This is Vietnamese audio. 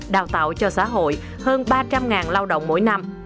đào tạo cho xã hội hơn ba trăm linh lao động mỗi năm